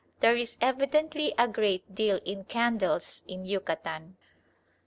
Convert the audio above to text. There is evidently a great deal in candles in Yucatan.